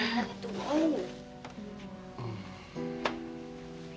oh cantik banget